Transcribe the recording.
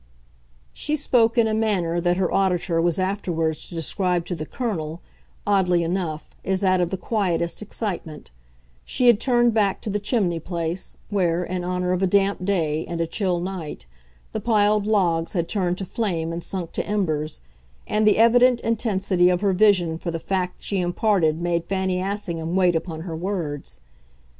She spoke in a manner that her auditor was afterwards to describe to the Colonel, oddly enough, as that of the quietest excitement; she had turned back to the chimney place, where, in honour of a damp day and a chill night, the piled logs had turned to flame and sunk to embers; and the evident intensity of her vision for the fact she imparted made Fanny Assingham wait upon her words.